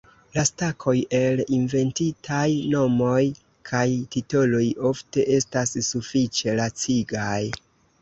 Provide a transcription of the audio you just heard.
La stakoj el inventitaj nomoj kaj titoloj ofte estas sufiĉe lacigaj.